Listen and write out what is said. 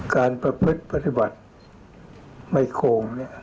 การประพฤติปฏิบัติไม่โคมเนี่ย